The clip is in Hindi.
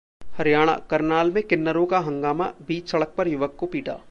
हरियाणा: करनाल में किन्नरों का हंगामा, बीच सड़क पर युवक को पीटा